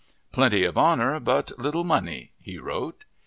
"Plenty of honor, but little money," he wrote.